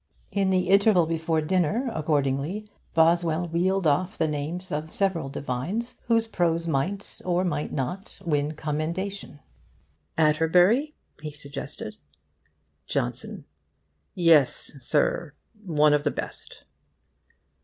In the interval before dinner, accordingly, Boswell reeled off the names of several divines whose prose might or might not win commendation. 'Atterbury?' he suggested. 'JOHNSON: Yes, Sir, one of the best.